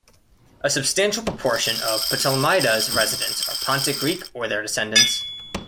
A substantial proportion of Ptolemaida's residents are Pontic Greek or their descendants.